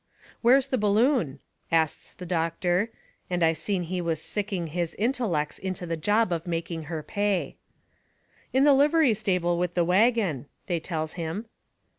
"Where's the balloon?" asts the doctor. And I seen he was sicking his intellects onto the job of making her pay. "In the livery stable with the wagon," they tells him.